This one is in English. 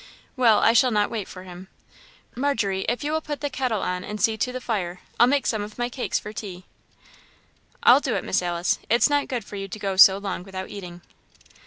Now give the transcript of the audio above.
"Well, I shall not wait for him. Margery, if you will put the kettle on and see to the fire, I'll make some of my cakes for tea." "I'll do it, Miss Alice; it's not good for you to go so long without eating."